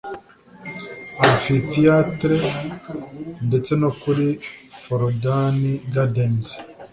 Amphitheatre ndetse no kuri Forodhani Gardens